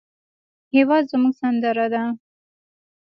هېواد زموږ سندره ده